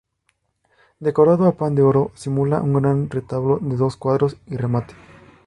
Decorado a pan de oro; simula un gran retablo de dos cuadros y remate.